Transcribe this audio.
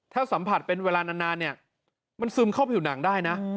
ถ้าสัมผัสเป็นเวลานานเนี่ยมันซึมเข้าผิวหนังได้นะ